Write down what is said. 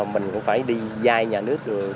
mình cũng phải đi dai nhà nước